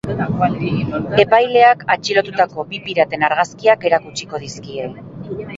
Epaileak, atxilotutako bi piraten argazkiak erakutsiko dizkie.